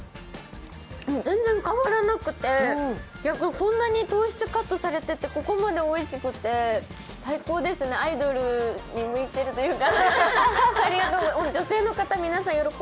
全然変わらなくて、逆にこんなに糖質カットされててここまでおいしくて、最高ですね、アイドルに向いてるというか。